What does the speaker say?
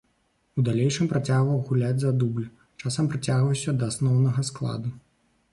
У далейшым працягваў гуляць за дубль, часам прыцягваўся да асноўнага складу.